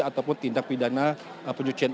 ataupun tindak pidana pencucian